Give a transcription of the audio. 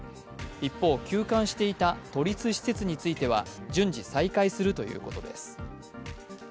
一方、休館していた都立施設については順次再開するということです。